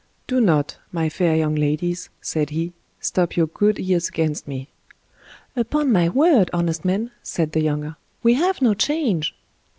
" Do not, my fair young ladies," said he,^ "stop your good ears against me." " Upon my word, honest man," said the younger, " we have no change."